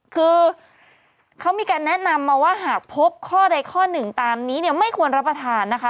คือเขามีการแนะนำมาว่าหากพบข้อใดข้อหนึ่งตามนี้เนี่ยไม่ควรรับประทานนะคะ